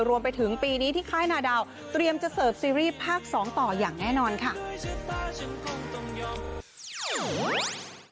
รวมไปถึงปีนี้ที่ค่ายนาดาวเตรียมจะเสิร์ฟซีรีส์ภาค๒ต่ออย่างแน่นอนค่ะ